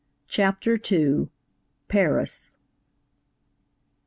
CHAPTER II. PARIS.